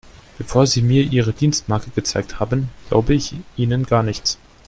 Bevor Sie mir Ihre Dienstmarke gezeigt haben, glaube ich Ihnen gar nichts.